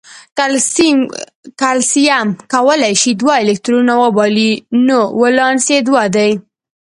کلسیم کولای شي دوه الکترونونه وبایلي نو ولانس یې دوه دی.